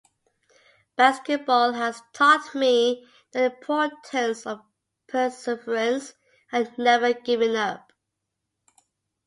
Basketball has taught me the importance of perseverance and never giving up.